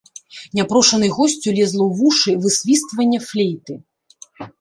Няпрошанай госцю лезла ў вушы высвістванне флейты.